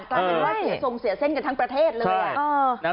กลายเป็นว่าเสียทรงเสียเส้นกันทั้งประเทศเลย